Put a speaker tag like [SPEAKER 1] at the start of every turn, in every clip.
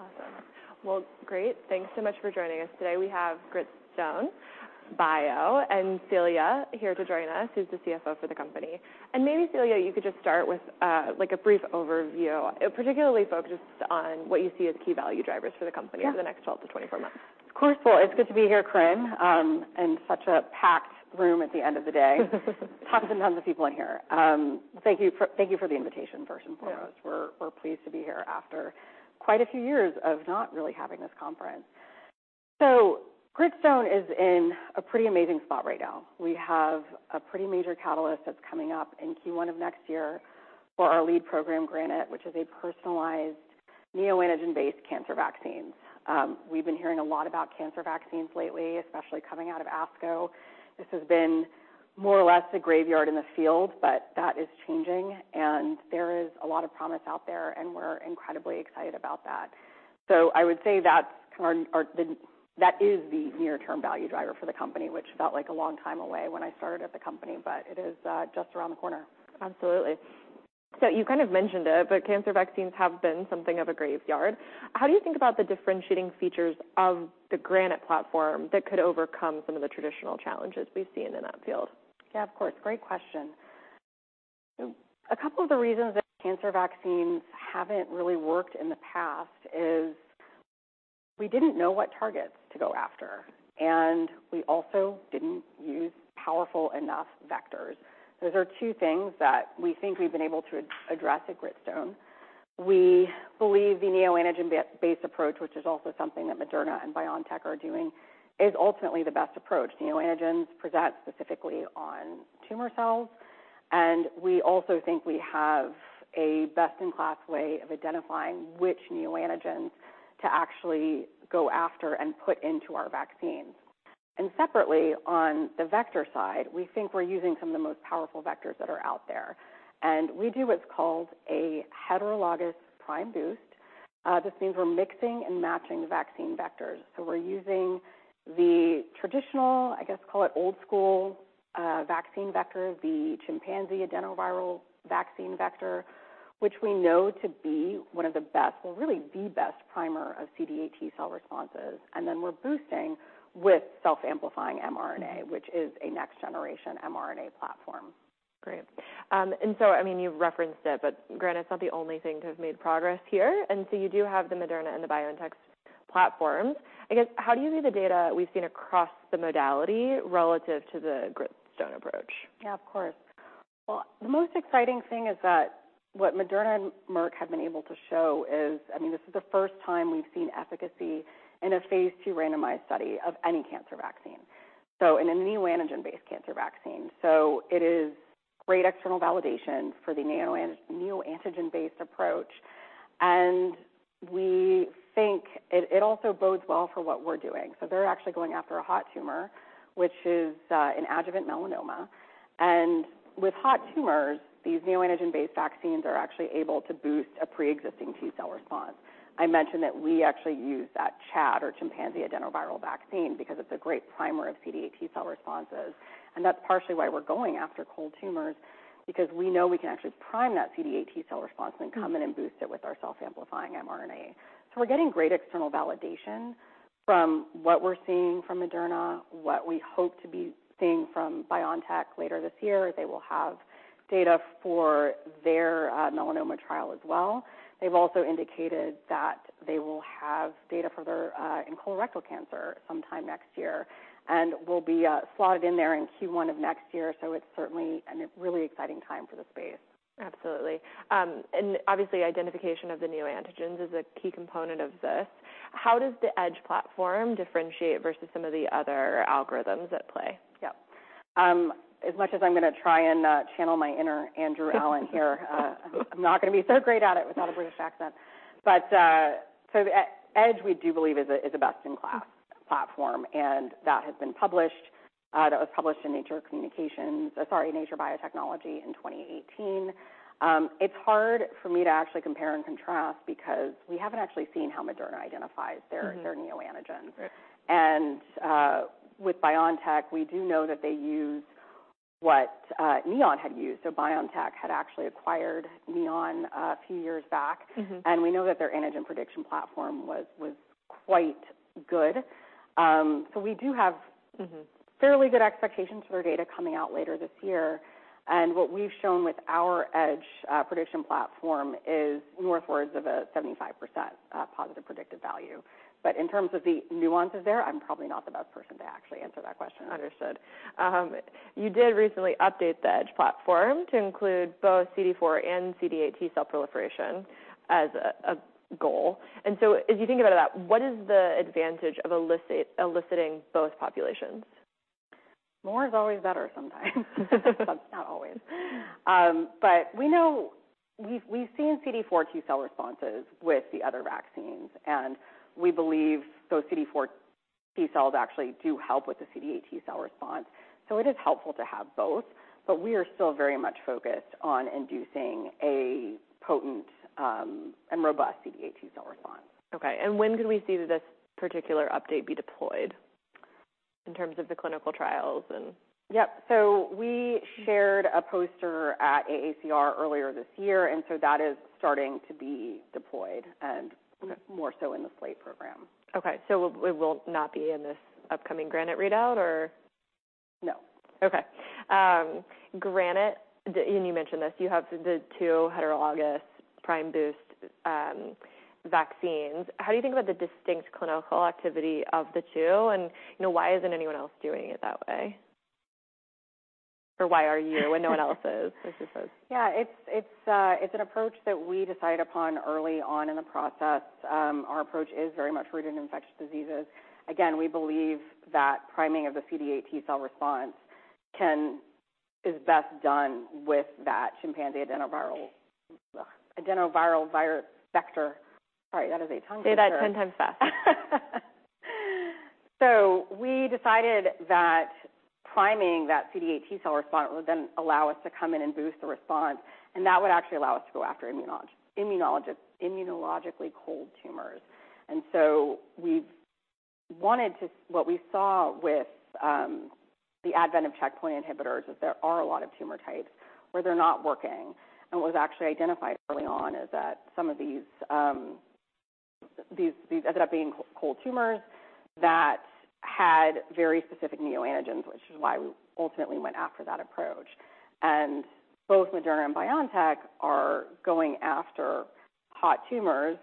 [SPEAKER 1] Awesome. Well, great. Thanks so much for joining us today. We have Gritstone bio, and Celia here to join us, who's the CFO for the company. Maybe, Celia, you could just start with, like, a brief overview, particularly focused on what you see as key value drivers for the company...
[SPEAKER 2] Yeah.
[SPEAKER 1] for the next 12-24 months.
[SPEAKER 2] Of course. Well, it's good to be here, Corinne, in such a packed room at the end of the day. Tons and tons of people in here. Thank you for the invitation, first and foremost.
[SPEAKER 1] Yeah.
[SPEAKER 2] We're pleased to be here after quite a few years of not really having this conference. Gritstone is in a pretty amazing spot right now. We have a pretty major catalyst that's coming up in Q1 of next year for our lead program, GRANITE, which is a personalized neoantigen-based cancer vaccine. We've been hearing a lot about cancer vaccines lately, especially coming out of ASCO. This has been more or less a graveyard in the field, but that is changing, and there is a lot of promise out there, and we're incredibly excited about that. I would say that's our... That is the near-term value driver for the company, which felt like a long time away when I started at the company, but it is just around the corner.
[SPEAKER 1] Absolutely. You kind of mentioned it, but cancer vaccines have been something of a graveyard. How do you think about the differentiating features of the GRANITE platform that could overcome some of the traditional challenges we've seen in that field?
[SPEAKER 2] Yeah, of course. Great question. A couple of the reasons that cancer vaccines haven't really worked in the past is we didn't know what targets to go after, and we also didn't use powerful enough vectors. Those are two things that we think we've been able to address at Gritstone. We believe the neoantigen based approach, which is also something that Moderna and BioNTech are doing, is ultimately the best approach. Neoantigens present specifically on tumor cells, and we also think we have a best-in-class way of identifying which neoantigens to actually go after and put into our vaccines. Separately, on the vector side, we think we're using some of the most powerful vectors that are out there, and we do what's called a heterologous prime boost. This means we're mixing and matching the vaccine vectors. We're using the traditional, I guess, call it old school, vaccine vector, the chimpanzee adenoviral vaccine vector, which we know to be one of the best, well, really, the best primer of CD8 T cell responses. We're boosting with self-amplifying mRNA, which is a next-generation mRNA platform.
[SPEAKER 1] Great. I mean, you've referenced it, GRANITE's not the only thing to have made progress here, you do have the Moderna and the BioNTech platforms. I guess, how do you view the data we've seen across the modality relative to the Gritstone approach?
[SPEAKER 2] Yeah, of course. Well, the most exciting thing is that what Moderna and Merck have been able to show is, I mean, this is the first time we've seen efficacy in a phase II randomized study of any cancer vaccine, so in a neoantigen-based cancer vaccine. It is great external validation for the neoantigen-based approach, and we think it also bodes well for what we're doing. They're actually going after a hot tumor, which is, an adjuvant melanoma. With hot tumors, these neoantigen-based vaccines are actually able to boost a pre-existing T cell response. I mentioned that we actually use that ChAd, or chimpanzee adenoviral vaccine, because it's a great primer of CD8 T cell responses. That's partially why we're going after cold tumors, because we know we can actually prime that CD8 T cell response and come in and boost it with our self-amplifying mRNA. We're getting great external validation from what we're seeing from Moderna, what we hope to be seeing from BioNTech later this year. They will have data for their melanoma trial as well. They've also indicated that they will have data for their in colorectal cancer sometime next year, and we'll be slotted in there in Q1 of next year. It's certainly an really exciting time for the space.
[SPEAKER 1] Absolutely. Obviously, identification of the neoantigens is a key component of this. How does the EDGE platform differentiate versus some of the other algorithms at play?
[SPEAKER 2] As much as I'm gonna try and channel my inner Andrew Allen here, I'm not gonna be so great at it without a British accent. EDGE, we do believe, is a best-in-class platform, and that has been published. That was published in Nature Communications, sorry, Nature Biotechnology in 2018. It's hard for me to actually compare and contrast because we haven't actually seen how Moderna identifies their
[SPEAKER 1] Mm-hmm.
[SPEAKER 2] their neoantigens.
[SPEAKER 1] Right.
[SPEAKER 2] With BioNTech, we do know that they use what Neon had used. BioNTech had actually acquired Neon a few years back.
[SPEAKER 1] Mm-hmm.
[SPEAKER 2] We know that their antigen prediction platform was quite good.
[SPEAKER 1] Mm-hmm...
[SPEAKER 2] fairly good expectations for their data coming out later this year. What we've shown with our EDGE prediction platform is northwards of a 75% positive predictive value. In terms of the nuances there, I'm probably not the best person to actually answer that question.
[SPEAKER 1] Understood. You did recently update the EDGE platform to include both CD4 and CD8 T cell proliferation as a goal. As you think about that, what is the advantage of eliciting both populations?
[SPEAKER 2] More is always better sometimes. Not always. We know we've seen CD4 T cell responses with the other vaccines, and we believe those CD4 T cells actually do help with the CD8 T cell response, so it is helpful to have both. We are still very much focused on inducing a potent and robust CD8 T cell response.
[SPEAKER 1] Okay. When could we see this particular update be deployed?... in terms of the clinical trials and?
[SPEAKER 2] Yep. We shared a poster at AACR earlier this year, that is starting to be deployed.
[SPEAKER 1] Okay.
[SPEAKER 2] more so in the SLATE program.
[SPEAKER 1] Okay. it will not be in this upcoming GRANITE readout or?
[SPEAKER 2] No.
[SPEAKER 1] GRANITE, you mentioned this, you have the two heterologous prime boost vaccines. How do you think about the distinct clinical activity of the two, you know, why isn't anyone else doing it that way? Why are you when no one else is, I should say?
[SPEAKER 2] Yeah, it's an approach that we decide upon early on in the process. Our approach is very much rooted in infectious diseases. Again, we believe that priming of the CD8 T cell response is best done with that chimpanzee adenoviral vector. Sorry, that is a tongue twister.
[SPEAKER 1] Say that 10 times fast.
[SPEAKER 2] We decided that priming that CD8 T cell response would then allow us to come in and boost the response, and that would actually allow us to go after immunologically cold tumors. We wanted to. What we saw with the advent of checkpoint inhibitors is there are a lot of tumor types where they're not working. What was actually identified early on is that some of these ended up being cold tumors that had very specific neoantigens, which is why we ultimately went after that approach. Both Moderna and BioNTech are going after hot tumors,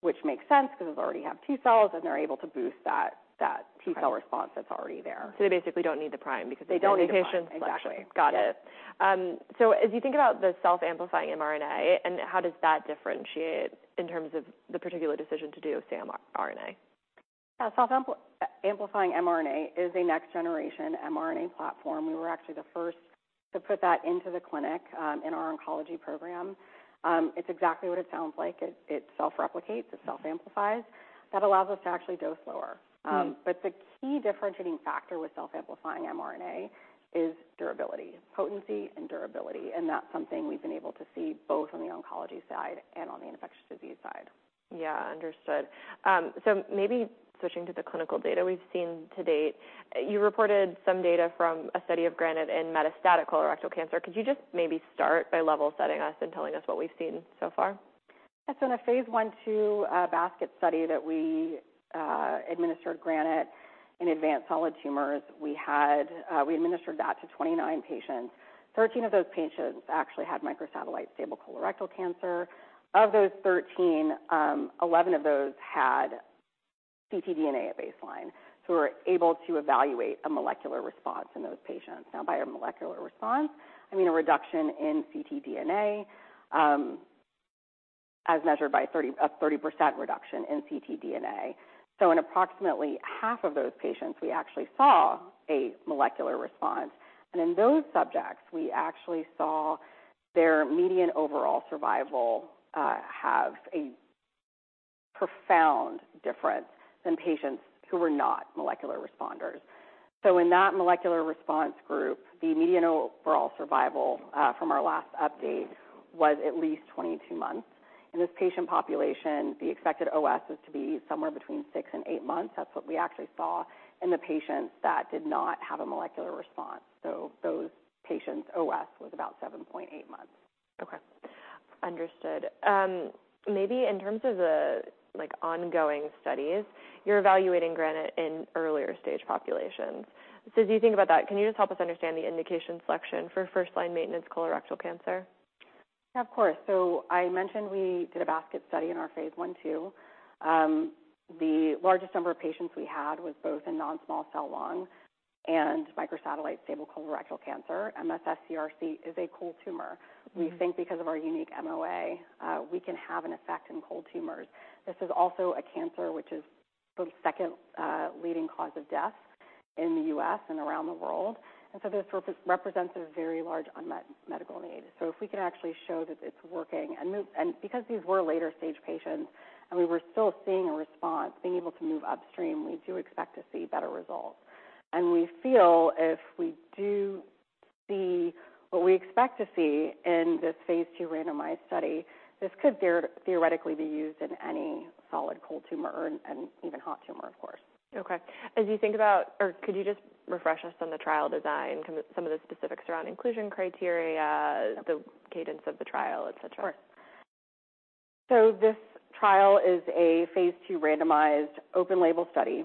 [SPEAKER 2] which makes sense because they already have T cells, and they're able to boost that T cell response that's already there.
[SPEAKER 1] They basically don't need the prime because.
[SPEAKER 2] They don't need the prime.
[SPEAKER 1] They do patient selection.
[SPEAKER 2] Exactly.
[SPEAKER 1] Got it.
[SPEAKER 2] Yeah.
[SPEAKER 1] As you think about the self-amplifying mRNA, and how does that differentiate in terms of the particular decision to do saRNA?
[SPEAKER 2] Yeah. Self-amplifying mRNA is a next-generation mRNA platform. We were actually the first to put that into the clinic in our oncology program. It's exactly what it sounds like. It self-replicates, it self-amplifies. That allows us to actually dose lower.
[SPEAKER 1] Mm.
[SPEAKER 2] The key differentiating factor with self-amplifying mRNA is durability, potency and durability, and that's something we've been able to see both on the oncology side and on the infectious disease side.
[SPEAKER 1] Yeah, understood. Maybe switching to the clinical data we've seen to date, you reported some data from a study of GRANITE in metastatic colorectal cancer. Could you just maybe start by level setting us and telling us what we've seen so far?
[SPEAKER 2] Yes. In a Phase I/II basket study that we administered GRANITE in advanced solid tumors, we administered that to 29 patients. 13 of those patients actually had microsatellite stable colorectal cancer. Of those 13, 11 of those had ctDNA at baseline, we were able to evaluate a molecular response in those patients. By a molecular response, I mean a reduction in ctDNA, as measured by a 30% reduction in ctDNA. In approximately half of those patients, we actually saw a molecular response, and in those subjects, we actually saw their median overall survival have a profound difference than patients who were not molecular responders. In that molecular response group, the median overall survival from our last update was at least 22 months. In this patient population, the expected OS is to be somewhere between six and eight months. That's what we actually saw in the patients that did not have a molecular response. Those patients' OS was about 7.8 months.
[SPEAKER 1] Okay, understood. maybe in terms of the, like, ongoing studies, you're evaluating GRANITE in earlier stage populations. As you think about that, can you just help us understand the indication selection for first-line maintenance colorectal cancer?
[SPEAKER 2] Yeah, of course. I mentioned we did a basket study in our Phase I/II. The largest number of patients we had was both in non-small cell lung and microsatellite stable colorectal cancer. MSS-CRC is a cold tumor.
[SPEAKER 1] Mm-hmm.
[SPEAKER 2] We think because of our unique MOA, we can have an effect in cold tumors. This is also a cancer which is the second leading cause of death in the U.S. and around the world, this represents a very large unmet medical need. If we can actually show that it's working and because these were later-stage patients, and we were still seeing a response, being able to move upstream, we do expect to see better results. We feel if we do see what we expect to see in this Phase II randomized study, this could theoretically be used in any solid cold tumor or, and even hot tumor, of course.
[SPEAKER 1] Okay. Could you just refresh us on the trial design, some of the specifics around inclusion criteria, the cadence of the trial, et cetera?
[SPEAKER 2] Sure. This trial is a phase II randomized open label study.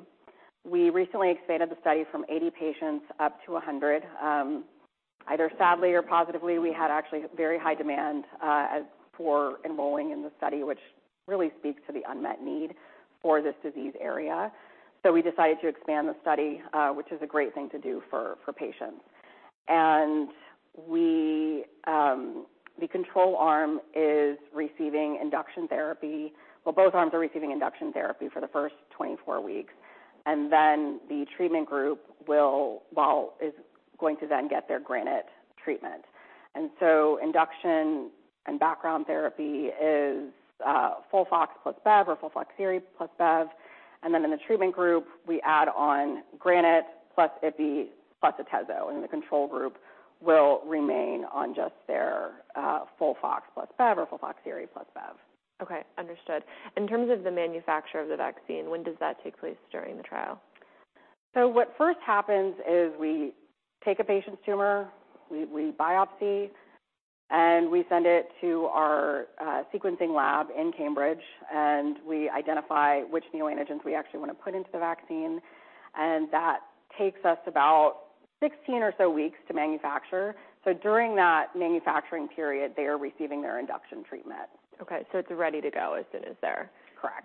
[SPEAKER 2] We recently expanded the study from 80 patients up to 100. Either sadly or positively, we had actually very high demand for enrolling in the study, which really speaks to the unmet need for this disease area. We decided to expand the study, which is a great thing to do for patients. We, the control arm is receiving induction therapy. Well, both arms are receiving induction therapy for the first 24 weeks, and then the treatment group well, is going to then get their GRANITE treatment. induction and background therapy is, FOLFOX plus Bev or FOLFOXIRI plus Bev, and then in the treatment group, we add on GRANITE plus Ipi plus Atezo, and the control group will remain on just their, FOLFOX plus Bev or FOLFOXIRI plus Bev.
[SPEAKER 1] Okay, understood. In terms of the manufacture of the vaccine, when does that take place during the trial?
[SPEAKER 2] What first happens is we take a patient's tumor, we biopsy, and we send it to our sequencing lab in Cambridge, and we identify which neoantigens we actually want to put into the vaccine, and that takes us about 16 or so weeks to manufacture. During that manufacturing period, they are receiving their induction treatment.
[SPEAKER 1] Okay, it's ready to go as soon as.
[SPEAKER 2] Correct.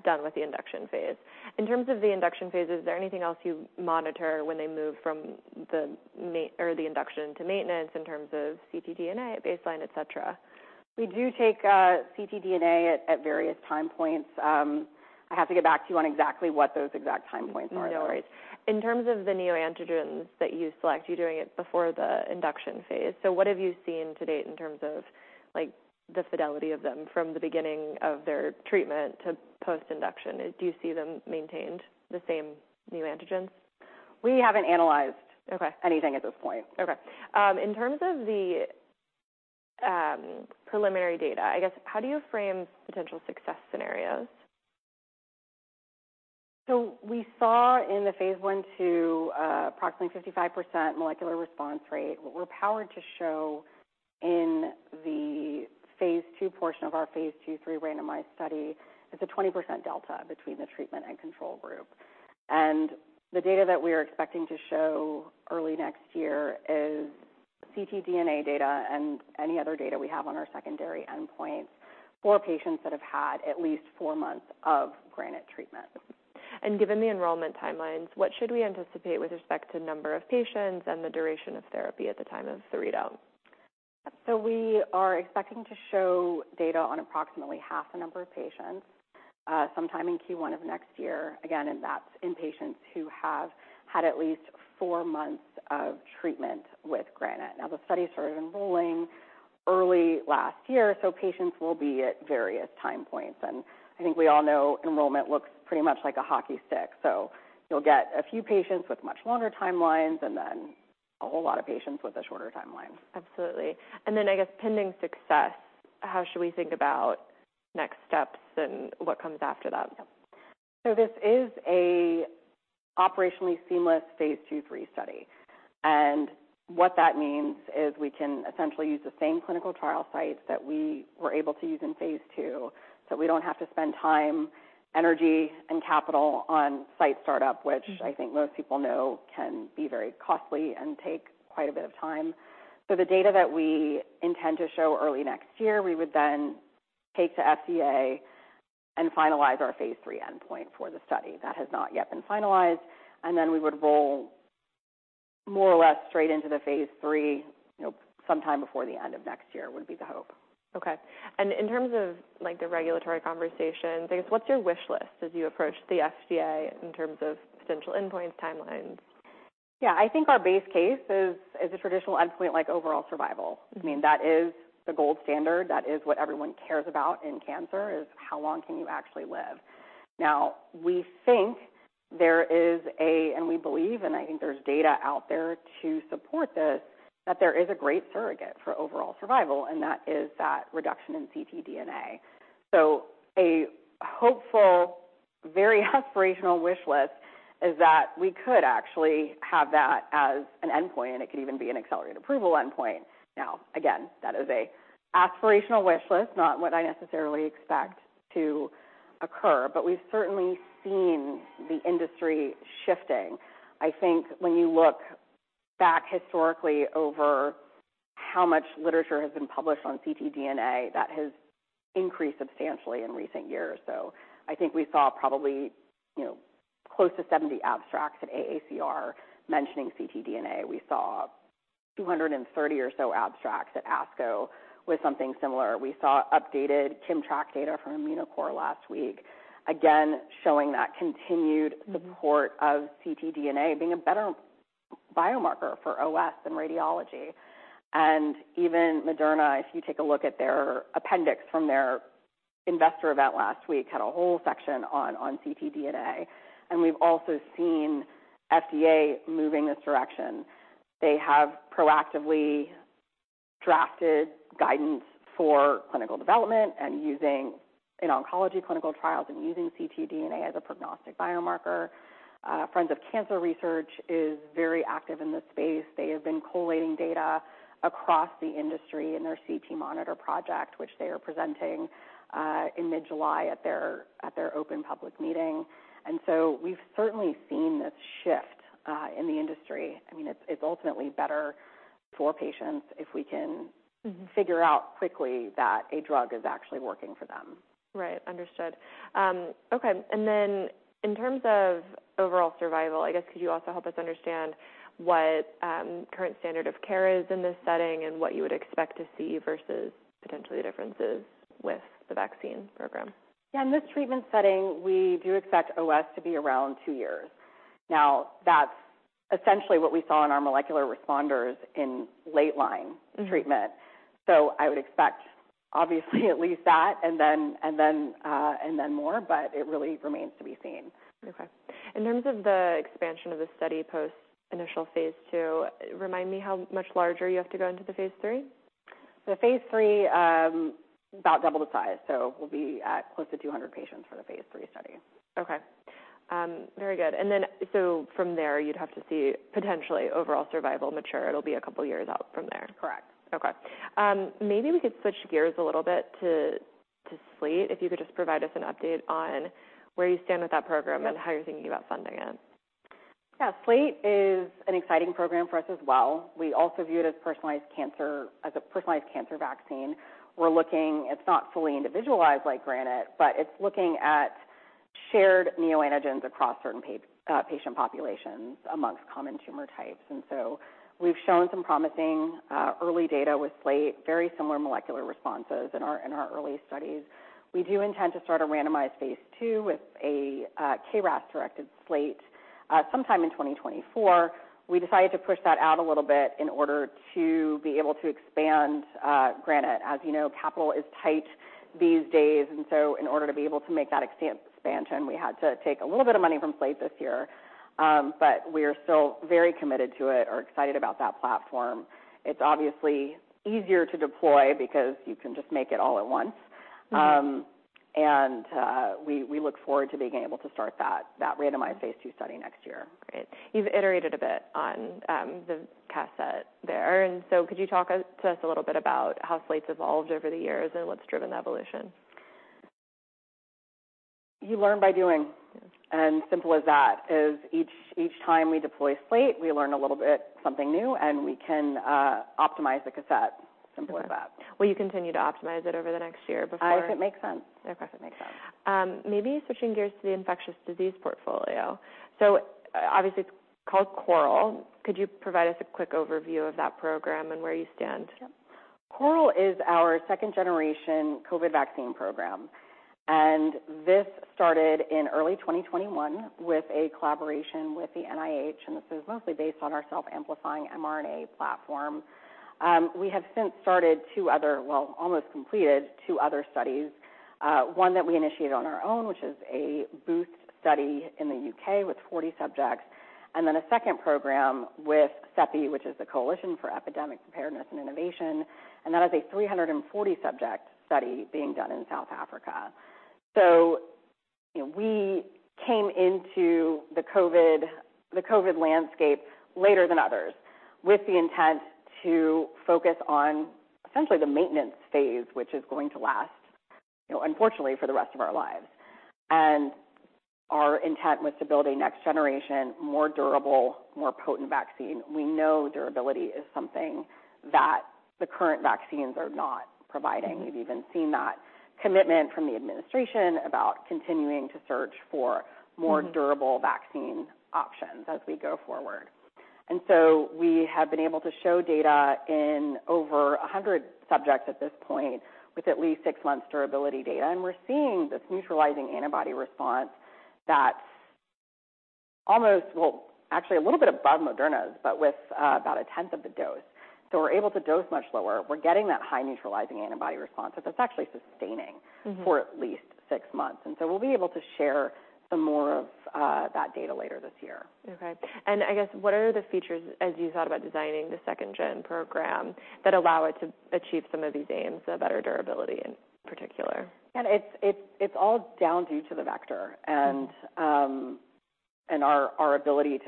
[SPEAKER 1] -done with the induction phase. In terms of the induction phase, is there anything else you monitor when they move or the induction to maintenance in terms of ctDNA at baseline, et cetera?
[SPEAKER 2] We do take ctDNA at various time points. I have to get back to you on exactly what those exact time points are, though.
[SPEAKER 1] No worries. In terms of the neoantigens that you select, you're doing it before the induction phase. What have you seen to date in terms of, like, the fidelity of them from the beginning of their treatment to post-induction? Do you see them maintained the same neoantigens?
[SPEAKER 2] We haven't analyzed-
[SPEAKER 1] Okay.
[SPEAKER 2] anything at this point.
[SPEAKER 1] Okay. In terms of the preliminary data, I guess, how do you frame potential success scenarios?
[SPEAKER 2] We saw in the phase I, approximately 55% molecular response rate. What we're powered to show in the phase II portion of our phase II/III randomized study is a 20% delta between the treatment and control group. The data that we are expecting to show early next year is ctDNA data and any other data we have on our secondary endpoints for patients that have had at least four months of GRANITE treatment.
[SPEAKER 1] Given the enrollment timelines, what should we anticipate with respect to number of patients and the duration of therapy at the time of the readout?
[SPEAKER 2] We are expecting to show data on approximately half the number of patients sometime in Q1 of next year. That's in patients who have had at least four months of treatment with GRANITE. The study started enrolling early last year, so patients will be at various time points, and I think we all know enrollment looks pretty much like a hockey stick. You'll get a few patients with much longer timelines and then a whole lot of patients with the shorter timelines.
[SPEAKER 1] Absolutely. I guess, pending success, how should we think about next steps and what comes after that?
[SPEAKER 2] This is a operationally seamless phase II/III study. What that means is we can essentially use the same clinical trial sites that we were able to use in Phase II, so we don't have to spend time, energy, and capital on site startup, which-
[SPEAKER 1] Mm-hmm.
[SPEAKER 2] I think most people know can be very costly and take quite a bit of time. The data that we intend to show early next year, we would then take to FDA and finalize our phase III endpoint for the study. That has not yet been finalized, and then we would roll more or less straight into the phase III, you know, sometime before the end of next year, would be the hope.
[SPEAKER 1] Okay. In terms of, like, the regulatory conversation, I guess, what's your wish list as you approach the FDA in terms of potential endpoints, timelines?
[SPEAKER 2] Yeah. I think our base case is a traditional endpoint like overall survival.
[SPEAKER 1] Mm-hmm.
[SPEAKER 2] I mean, that is the gold standard. That is what everyone cares about in cancer, is how long can you actually live? We believe, and I think there's data out there to support this, that there is a great surrogate for overall survival, and that is that reduction in ctDNA. A hopeful, very aspirational wish list is that we could actually have that as an endpoint, and it could even be an Accelerated Approval endpoint. Again, that is a aspirational wish list, not what I necessarily expect to occur, but we've certainly seen the industry shifting. When you look back historically over how much literature has been published on ctDNA, that has increased substantially in recent years. We saw probably, you know, close to 70 abstracts at AACR mentioning ctDNA. We saw 230 or so abstracts at ASCO with something similar. We saw updated KIMMTRAK data from Immunocore last week, again, showing that.
[SPEAKER 1] Mm-hmm.
[SPEAKER 2] -support of ctDNA being a better biomarker for OS than radiology. Even Moderna, if you take a look at their appendix from their investor event last week, had a whole section on ctDNA. We've also seen FDA moving this direction. They have proactively drafted guidance for clinical development and using, in oncology clinical trials and using ctDNA as a prognostic biomarker. Friends of Cancer Research is very active in this space. They have been collating data across the industry in their ctMoniTR project, which they are presenting in mid-July at their open public meeting. We've certainly seen this shift in the industry. I mean, it's ultimately better for patients if we can-
[SPEAKER 1] Mm-hmm.
[SPEAKER 2] figure out quickly that a drug is actually working for them.
[SPEAKER 1] Right. Understood. Okay, then in terms of overall survival, I guess, could you also help us understand what current standard of care is in this setting and what you would expect to see versus potentially differences with the vaccine program?
[SPEAKER 2] Yeah, in this treatment setting, we do expect OS to be around two years. Now, that's essentially what we saw in our molecular responders in late line.
[SPEAKER 1] Mm-hmm.
[SPEAKER 2] -treatment. I would expect, obviously, at least that and then more. It really remains to be seen.
[SPEAKER 1] Okay. In terms of the expansion of the study post initial phase II, remind me how much larger you have to go into the phase III?...
[SPEAKER 2] phase III, about double the size, so we'll be at close to 200 patients for the phase III study.
[SPEAKER 1] Okay. Very good. From there, you'd have to see potentially overall survival mature. It'll be a couple of years out from there.
[SPEAKER 2] Correct.
[SPEAKER 1] Okay. Maybe we could switch gears a little bit to SLATE. If you could just provide us an update on where you stand with that program and how you're thinking about funding it?
[SPEAKER 2] Yeah. SLATE is an exciting program for us as well. We also view it as a personalized cancer vaccine. It's not fully individualized like GRANITE, but it's looking at shared neoantigens across certain patient populations amongst common tumor types. We've shown some promising early data with SLATE, very similar molecular responses in our, in our early studies. We do intend to start a randomized phase II with a KRAS-directed SLATE sometime in 2024. We decided to push that out a little bit in order to be able to expand GRANITE. As you know, capital is tight these days, in order to be able to make that expansion, we had to take a little bit of money from SLATE this year. We are still very committed to it, are excited about that platform. It's obviously easier to deploy because you can just make it all at once.
[SPEAKER 1] Mm-hmm.
[SPEAKER 2] We look forward to being able to start that randomized phase II study next year.
[SPEAKER 1] Great. You've iterated a bit on the cassette there, could you talk to us a little bit about how SLATE's evolved over the years and what's driven the evolution?
[SPEAKER 2] You learn by doing, and simple as that, is each time we deploy Slate, we learn a little bit something new, and we can optimize the cassette, simple as that.
[SPEAKER 1] Will you continue to optimize it over the next year before-
[SPEAKER 2] If it makes sense.
[SPEAKER 1] Okay.
[SPEAKER 2] If it makes sense.
[SPEAKER 1] Maybe switching gears to the infectious disease portfolio. Obviously, it's called CORAL. Could you provide us a quick overview of that program and where you stand?
[SPEAKER 2] Yep. CORAL is our second-generation COVID vaccine program. This started in early 2021 with a collaboration with the NIH. This is mostly based on our self-amplifying mRNA platform. We have since almost completed two other studies, one that we initiated on our own, which is a boost study in the U.K. with 40 subjects. A second program with CEPI, which is the Coalition for Epidemic Preparedness Innovations, that is a 340 subject study being done in South Africa. You know, we came into the COVID, the COVID landscape later than others, with the intent to focus on essentially the maintenance phase, which is going to last, you know, unfortunately, for the rest of our lives. Our intent was to build a next generation, more durable, more potent vaccine. We know durability is something that the current vaccines are not providing.
[SPEAKER 1] Mm-hmm.
[SPEAKER 2] We've even seen that commitment from the administration about continuing to search.
[SPEAKER 1] Mm-hmm...
[SPEAKER 2] more durable vaccine options as we go forward. We have been able to show data in over 100 subjects at this point with at least 6 months durability data, and we're seeing this neutralizing antibody response that almost, well, actually a little bit above Moderna's, but with about a tenth of the dose. We're able to dose much lower. We're getting that high neutralizing antibody response, but that's actually sustaining-
[SPEAKER 1] Mm-hmm...
[SPEAKER 2] for at least six months. We'll be able to share some more of that data later this year.
[SPEAKER 1] Okay. I guess what are the features, as you thought about designing the second-gen program, that allow it to achieve some of these aims, a better durability in particular?
[SPEAKER 2] It's all down due to the vector and our ability.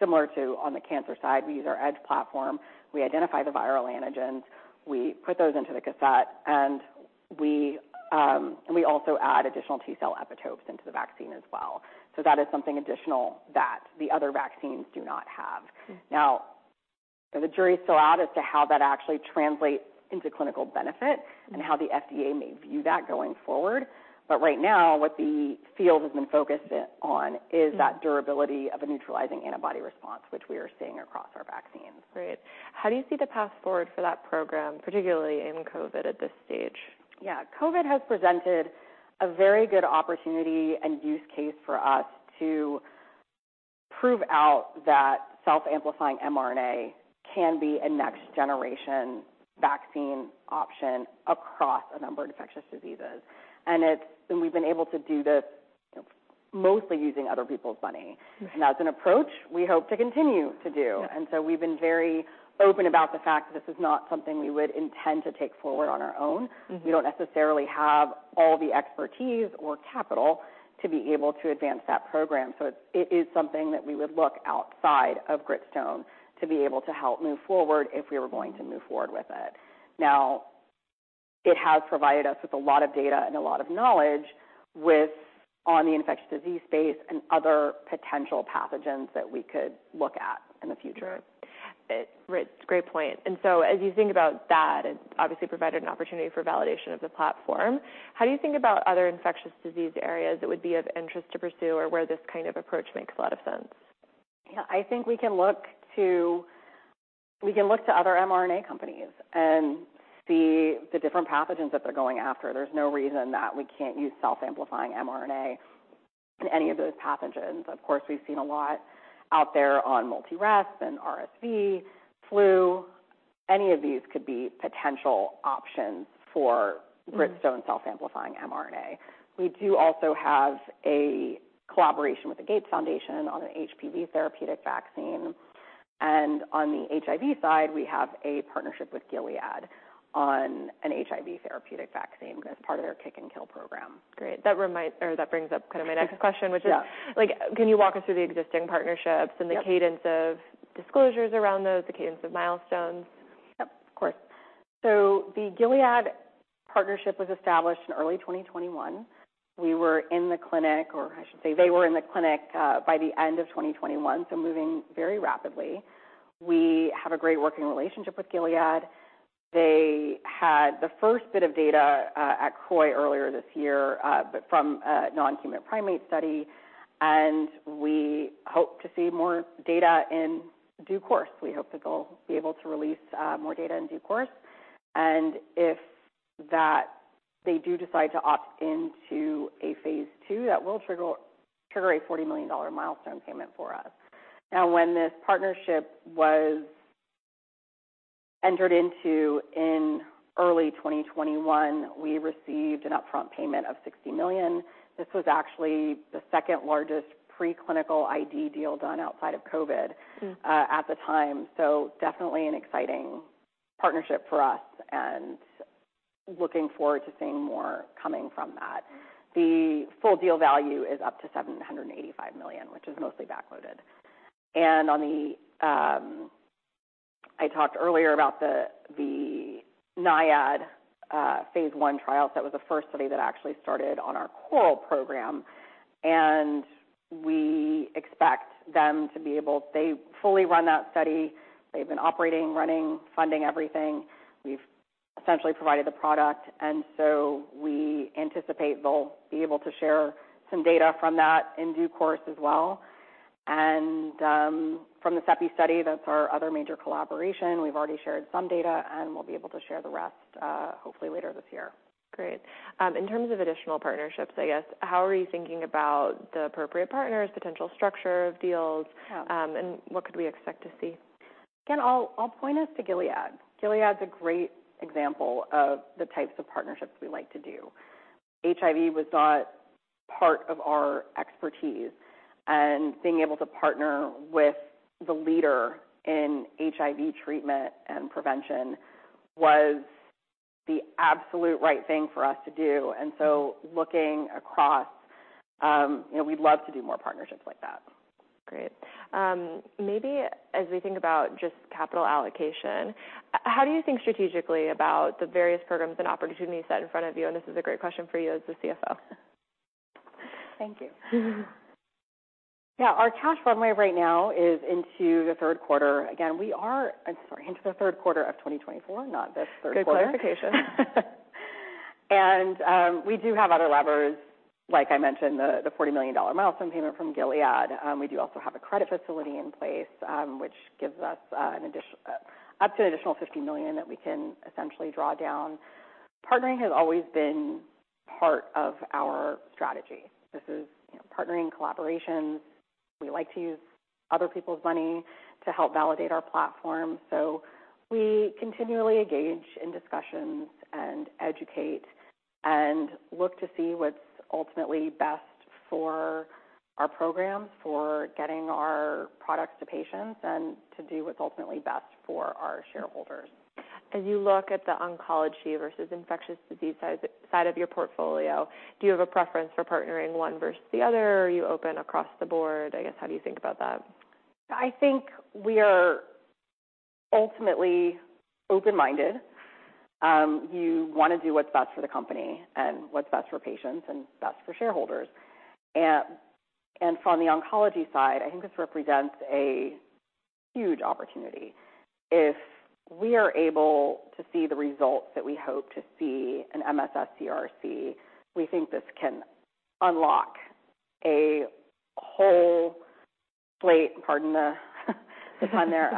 [SPEAKER 2] Similar to on the cancer side, we use our EDGE platform. We identify the viral antigens, we put those into the cassette, and we also add additional T-cell epitopes into the vaccine as well. That is something additional that the other vaccines do not have.
[SPEAKER 1] Mm.
[SPEAKER 2] The jury is still out as to how that actually translates into clinical benefit.
[SPEAKER 1] Mm-hmm...
[SPEAKER 2] and how the FDA may view that going forward. Right now, what the field has been focused on is.
[SPEAKER 1] Mm-hmm
[SPEAKER 2] that durability of a neutralizing antibody response, which we are seeing across our vaccines.
[SPEAKER 1] Great. How do you see the path forward for that program, particularly in COVID at this stage?
[SPEAKER 2] Yeah. COVID has presented a very good opportunity and use case for us to prove out that self-amplifying mRNA can be a next-generation vaccine option across a number of infectious diseases. We've been able to do this, mostly using other people's money.
[SPEAKER 1] Mm-hmm.
[SPEAKER 2] That's an approach we hope to continue to do.
[SPEAKER 1] Yeah.
[SPEAKER 2] We've been very open about the fact that this is not something we would intend to take forward on our own.
[SPEAKER 1] Mm-hmm.
[SPEAKER 2] We don't necessarily have all the expertise or capital to be able to advance that program. It is something that we would look outside of Gritstone to be able to help move forward if we were going to move forward with it. It has provided us with a lot of data and a lot of knowledge on the infectious disease space and other potential pathogens that we could look at in the future.
[SPEAKER 1] Right. It's a great point. As you think about that, it obviously provided an opportunity for validation of the platform. How do you think about other infectious disease areas that would be of interest to pursue or where this kind of approach makes a lot of sense?
[SPEAKER 2] Yeah, I think we can look to other mRNA companies and see the different pathogens that they're going after. There's no reason that we can't use self-amplifying mRNA in any of those pathogens. Of course, we've seen a lot out there on multi-respiratory and RSV, flu. Any of these could be potential options for-
[SPEAKER 1] Mm-hmm
[SPEAKER 2] Gritstone self-amplifying mRNA. We do also have a collaboration with the Gates Foundation on an HPV therapeutic vaccine. On the HIV side, we have a partnership with Gilead on an HIV therapeutic vaccine as part of their Kick and Kill program.
[SPEAKER 1] Great. That brings up kind of my next question.
[SPEAKER 2] Yeah.
[SPEAKER 1] which is, like, can you walk us through the existing partnerships?
[SPEAKER 2] Yep.
[SPEAKER 1] The cadence of disclosures around those, the cadence of milestones?
[SPEAKER 2] Yep, of course. The Gilead partnership was established in early 2021. We were in the clinic, or I should say they were in the clinic, by the end of 2021, so moving very rapidly. We have a great working relationship with Gilead. They had the first bit of data at CROI earlier this year, but from a non-human primate study, and we hope to see more data in due course. We hope that they'll be able to release more data in due course. If that they do decide to opt into a phase II, that will trigger a $40 million milestone payment for us. When this partnership was entered into in early 2021, we received an upfront payment of $60 million. This was actually the second largest preclinical ID deal done outside of COVID.
[SPEAKER 1] Hmm
[SPEAKER 2] At the time, definitely an exciting partnership for us and looking forward to seeing more coming from that. The full deal value is up to $785 million, which is mostly backloaded. On the, I talked earlier about the NIAID phase I trial. That was the first study that actually started on our CORAL program. They fully run that study. They've been operating, running, funding everything. We've essentially provided the product, we anticipate they'll be able to share some data from that in due course as well. From the CEPI study, that's our other major collaboration. We've already shared some data, we'll be able to share the rest, hopefully later this year.
[SPEAKER 1] Great. In terms of additional partnerships, I guess, how are you thinking about the appropriate partners, potential structure of deals?
[SPEAKER 2] Yeah.
[SPEAKER 1] What could we expect to see?
[SPEAKER 2] Again, I'll point us to Gilead. Gilead's a great example of the types of partnerships we like to do. HIV was not part of our expertise, and being able to partner with the leader in HIV treatment and prevention was the absolute right thing for us to do. Looking across, you know, we'd love to do more partnerships like that.
[SPEAKER 1] Great. maybe as we think about just capital allocation, how do you think strategically about the various programs and opportunities set in front of you? This is a great question for you as the CFO.
[SPEAKER 2] Thank you. Yeah. Our cash runway right now is into the third quarter. Again, we are, I'm sorry, into the third quarter of 2024, not this third quarter.
[SPEAKER 1] Good clarification.
[SPEAKER 2] We do have other levers. Like I mentioned, the $40 million milestone payment from Gilead. We do also have a credit facility in place, which gives us up to an additional $50 million that we can essentially draw down. Partnering has always been part of our strategy. This is, you know, partnering, collaborations. We like to use other people's money to help validate our platform, so we continually engage in discussions and educate and look to see what's ultimately best for our programs, for getting our products to patients, and to do what's ultimately best for our shareholders.
[SPEAKER 1] As you look at the oncology versus infectious disease side of your portfolio, do you have a preference for partnering one versus the other, or are you open across the board? I guess, how do you think about that?
[SPEAKER 2] I think we are ultimately open-minded. You want to do what's best for the company and what's best for patients and best for shareholders. From the oncology side, I think this represents a huge opportunity. If we are able to see the results that we hope to see in MSS-CRC, we think this can unlock a whole SLATE, pardon the pun there,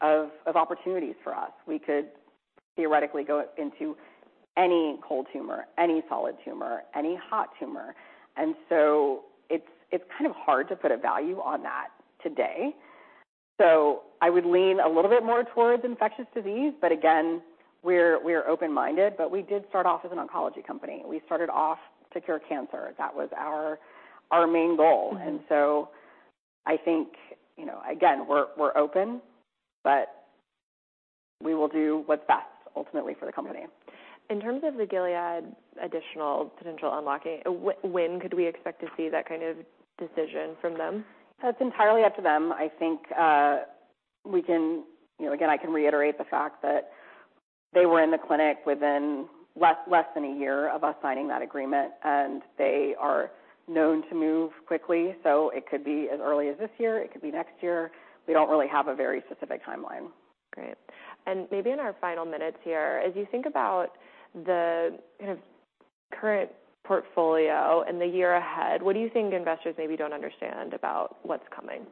[SPEAKER 2] of opportunities for us. We could theoretically go into any cold tumor, any solid tumor, any hot tumor, it's kind of hard to put a value on that today. I would lean a little bit more towards infectious disease, again, we're open-minded, but we did start off as an oncology company. We started off to cure cancer. That was our main goal.
[SPEAKER 1] Mm-hmm.
[SPEAKER 2] I think, you know, again, we're open, but we will do what's best ultimately for the company.
[SPEAKER 1] In terms of the Gilead additional potential unlocking, when could we expect to see that kind of decision from them?
[SPEAKER 2] That's entirely up to them. I think, you know, again, I can reiterate the fact that they were in the clinic within less than a year of us signing that agreement. They are known to move quickly. It could be as early as this year, it could be next year. We don't really have a very specific timeline.
[SPEAKER 1] Great. Maybe in our final minutes here, as you think about the kind of current portfolio and the year ahead, what do you think investors maybe don't understand about what's coming?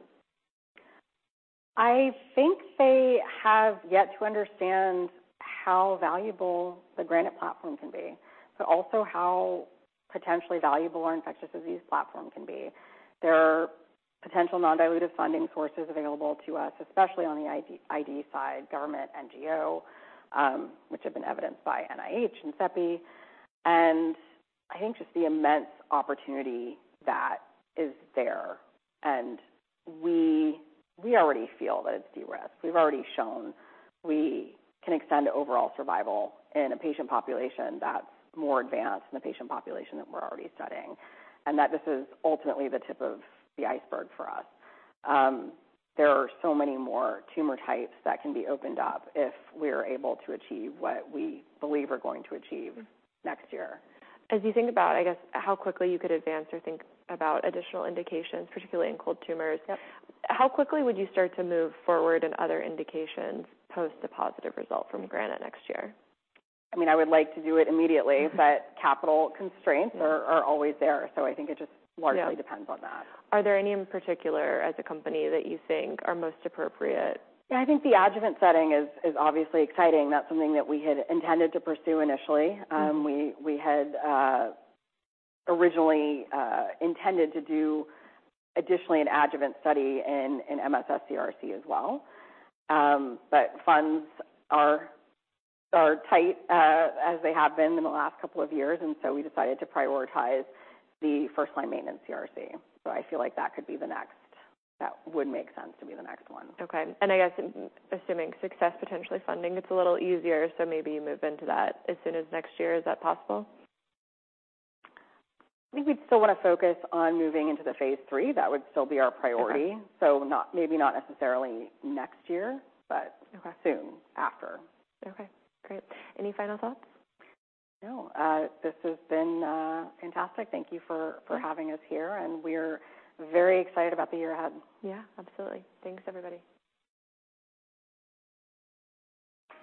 [SPEAKER 2] I think they have yet to understand how valuable the GRANITE platform can be, but also how potentially valuable our infectious disease platform can be. There are potential non-dilutive funding sources available to us, especially on the ID side, government, NGO, which have been evidenced by NIH and CEPI. I think just the immense opportunity that is there, we already feel that it's de-risked. We've already shown we can extend overall survival in a patient population that's more advanced than the patient population that we're already studying, and that this is ultimately the tip of the iceberg for us. There are so many more tumor types that can be opened up if we're able to achieve what we believe we're going to achieve next year.
[SPEAKER 1] As you think about, I guess, how quickly you could advance or think about additional indications, particularly in cold tumors...
[SPEAKER 2] Yep.
[SPEAKER 1] How quickly would you start to move forward in other indications post a positive result from GRANITE next year?
[SPEAKER 2] I mean, I would like to do it immediately, but capital constraints are always there, so I think it just largely.
[SPEAKER 1] Yeah.
[SPEAKER 2] depends on that.
[SPEAKER 1] Are there any in particular at the company that you think are most appropriate?
[SPEAKER 2] Yeah, I think the adjuvant setting is obviously exciting. That's something that we had intended to pursue initially.
[SPEAKER 1] Mm-hmm.
[SPEAKER 2] We had originally intended to do additionally an adjuvant study in MSS-CRC as well. Funds are tight as they have been in the last couple of years. We decided to prioritize the first-line maintenance CRC. I feel like that could be the next. That would make sense to be the next one.
[SPEAKER 1] Okay. I guess assuming success, potentially funding, it's a little easier, so maybe you move into that as soon as next year. Is that possible?
[SPEAKER 2] I think we'd still want to focus on moving into the phase III. That would still be our priority.
[SPEAKER 1] Okay.
[SPEAKER 2] not, maybe not necessarily next year, but...
[SPEAKER 1] Okay.
[SPEAKER 2] soon after.
[SPEAKER 1] Okay, great. Any final thoughts?
[SPEAKER 2] No. This has been fantastic. Thank you for having us here, and we're very excited about the year ahead.
[SPEAKER 1] Yeah, absolutely. Thanks, everybody.